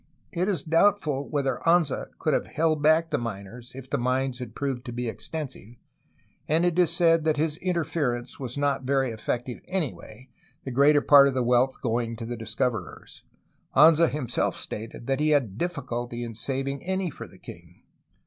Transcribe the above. It is doubtful whether Anza could have held back the miners if the mines had proved to be extensive, and it is said that his interference was not very effective anyway, the greater part of the wealth going to the discoverers. Anza himself stated that he had difficulty in saving any for the king.